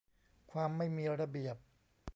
ความไม่มีระเบียบ